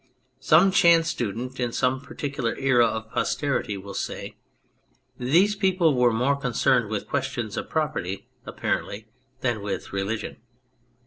Some chance student in some particular era of posterity will say :" These people were more con cerned with questions of property, apparently, than with religion.